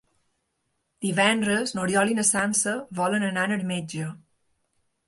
Divendres n'Oriol i na Sança volen anar al metge.